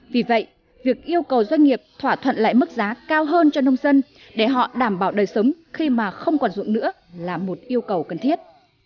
vì vậy việc yêu cầu doanh nghiệp thỏa thuận lại mức giá cao hơn cho nông dân để họ đảm bảo đời sống khi mà không còn dụng nữa là một yêu cầu cần thiết